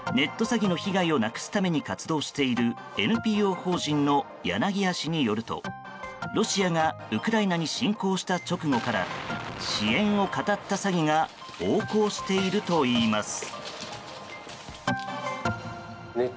詐欺の被害をなくすために活動しているＮＰＯ法人の柳谷氏によるとロシアがウクライナに侵攻した直後から支援をかたった詐欺が横行しているといいます。